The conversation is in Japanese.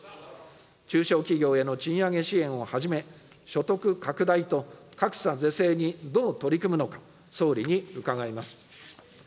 中小企業への賃上げ支援をはじめ、所得拡大と格差是正にどう取り組むのか、総理に伺います。